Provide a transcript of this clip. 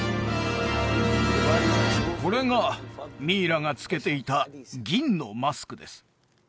これがミイラがつけていた銀のマスクです